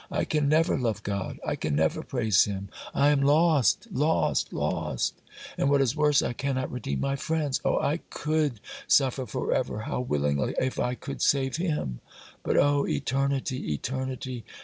I can never love God! I can never praise Him! I am lost! lost! lost! And what is worse, I cannot redeem my friends! Oh, I could suffer for ever, how willingly! if I could save him! But oh, eternity, eternity!